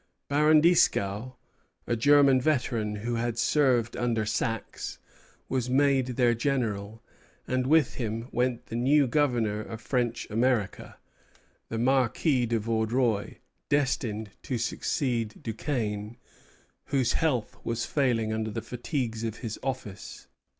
Baron Dieskau, a German veteran who had served under Saxe, was made their general; and with him went the new governor of French America, the Marquis de Vaudreuil, destined to succeed Duquesne, whose health was failing under the fatigues of his office.